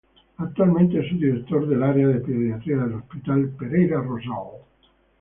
Actualmente es subdirector del área de pediatría del Hospital Pereira Rossell.